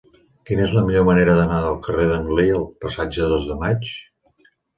Quina és la millor manera d'anar del carrer d'Anglí al passatge del Dos de Maig?